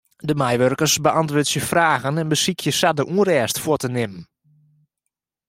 De meiwurkers beäntwurdzje fragen en besykje sa de ûnrêst fuort te nimmen.